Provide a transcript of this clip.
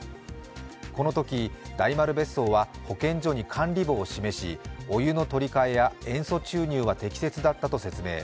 このとき大丸別荘は、保健所に管理簿を示し、湯の取りかえや塩素注入は適切だったと説明。